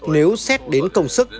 nếu xét đến công sức